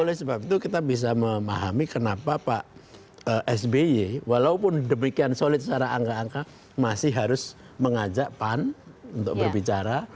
oleh sebab itu kita bisa memahami kenapa pak sby walaupun demikian solid secara angka angka masih harus mengajak pan untuk berbicara